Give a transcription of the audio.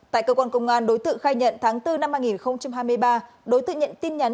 tại cơ quan công an đối tượng khai nhận tháng bốn năm hai nghìn hai mươi ba đối tượng nhận tin nhắn